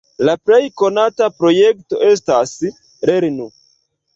La plej konata projekto estas "lernu!".